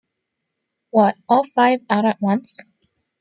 What, all five out at once?